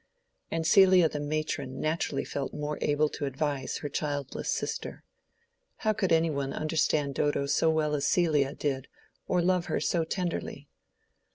And Celia the matron naturally felt more able to advise her childless sister. How could any one understand Dodo so well as Celia did or love her so tenderly?